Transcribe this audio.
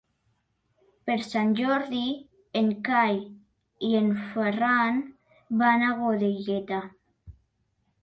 Per Sant Jordi en Cai i en Ferran van a Godelleta.